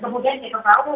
dan kemudian kita tahu